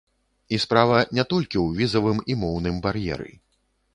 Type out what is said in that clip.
І справа не толькі ў візавым і моўным бар'еры.